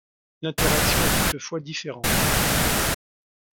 L'interaction est toutefois différente.